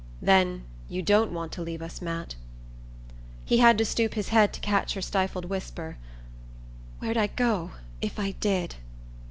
"Then you don't want to leave us, Matt?" He had to stoop his head to catch her stifled whisper: "Where'd I go, if I did?"